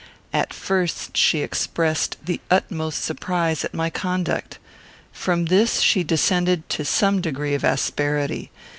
At first she expressed the utmost surprise at my conduct. From this she descended to some degree of asperity.